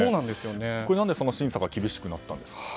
これ何で審査が厳しくなったんですか。